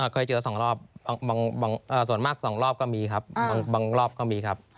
เคยเจอ๒รอบบางส่วนมาก๒รอบก็มีครับบางรอบก็มีครับ